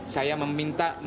saya meminta komisi tiga dpr